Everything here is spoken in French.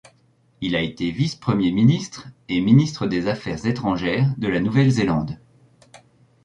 Il a été vice-Premier ministre et ministre des Affaires étrangères de la Nouvelle-Zélande.